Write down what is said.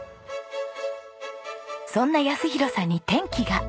そんな泰弘さんに転機が。